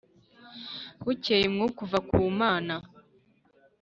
Bukeye umwuka uva ku Mana